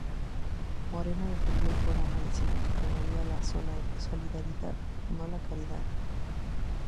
Moreno defendió al programa diciendo que promovía la solidaridad, no la caridad.